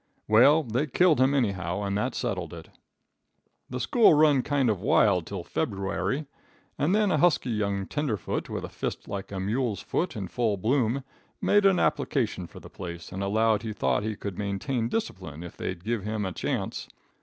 "Well, they killed him, anyhow, and that settled it." "The school run kind of wild till Feboowary, and then a husky young tenderfoot, with a fist like a mule's foot in full bloom, made an application for the place, and allowed he thought he could maintain discipline if they'd give him a chance.